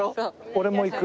俺も行く。